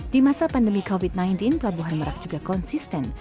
di masa pandemi covid sembilan belas pelabuhan merak juga konsisten